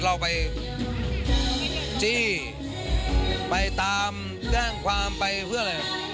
เราไปจี้ไปตามแจ้งความไปเพื่ออะไร